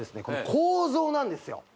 この構造なんですよ